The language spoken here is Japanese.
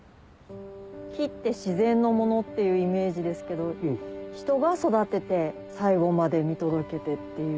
木って自然のものっていうイメージですけど人が育てて最後まで見届けてっていう。